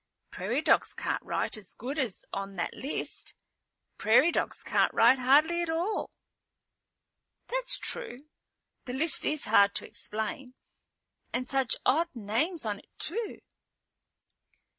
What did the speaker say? "Prairie dogs can't write as good as on that list. Prairie dogs can't write hardly at all." "That's true. The list is hard to explain. And such odd names on it too."